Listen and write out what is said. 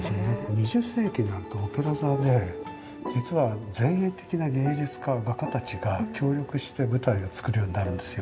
２０世紀になるとオペラ座で実は前衛的な芸術家画家たちが協力して舞台を作るようになるんですよ。